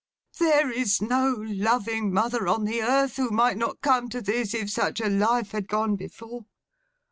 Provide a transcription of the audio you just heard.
There is no loving mother on the earth who might not come to this, if such a life had gone before.